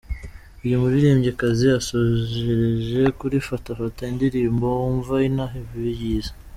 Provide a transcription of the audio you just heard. Uyu muririmbyikazi asojereje kuri ’Fata Fata’, indirimbo wumva inaha bayizi.